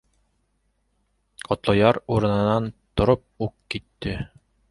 Ҡотлояр урынынан тороп уҡ китте.